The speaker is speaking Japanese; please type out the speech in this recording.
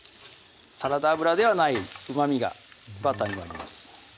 サラダ油ではないうまみがバターにはあります